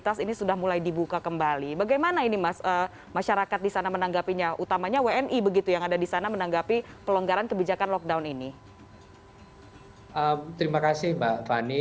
terima kasih mbak fani